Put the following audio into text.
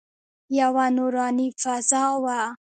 یوه نوراني فضا وه.